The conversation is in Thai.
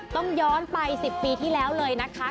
ต้องย้อนไป๑๐ปีที่แล้วเลยนะคะ